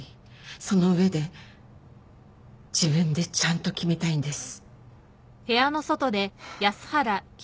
その上で自分でちゃんと決めたいんです。